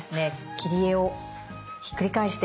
切り絵をひっくり返して。